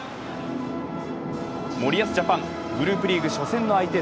森保ジャパン、グループリーグ初戦の相手